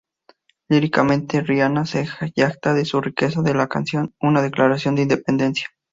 Líricamente, Rihanna se jacta de su riqueza en la canción, una declaración de independencia.